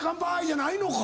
じゃないのか。